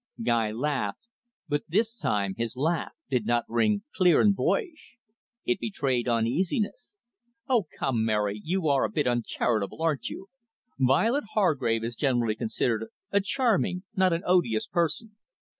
Guy laughed, but this time his laugh did not ring clear and boyish; it betrayed uneasiness. "Oh, come, Mary, you are a bit uncharitable, aren't you. Violet Hargrave is generally considered a charming, not an odious, person."